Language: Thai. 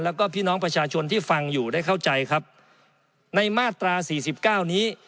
แล้วก็พี่น้องประชาชนที่ฟังอยู่ได้เข้าใจครับในมาตราสี่สิบเก้านี้